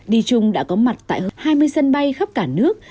đi chung đã có mặt tại hơn hai mươi sân bay khắp cả nước